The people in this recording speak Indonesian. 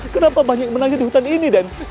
kenapa banyak menangnya di hutan ini dan